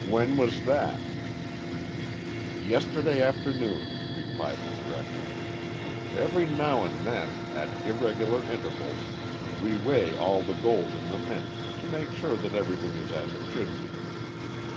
"When was that?" "Yesterday afternoon," replied the director. "Every now and then at irregular intervals we weigh all the gold in the Mint, to make sure that everything is as it should be.